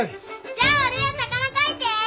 じゃあ俺は「魚」書いて！